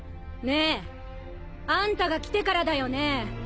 佑あんたが来てからだよね。